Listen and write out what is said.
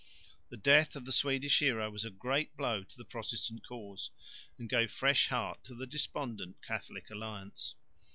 The death of the Swedish hero was a great blow to the Protestant cause and gave fresh heart to the despondent Catholic alliance.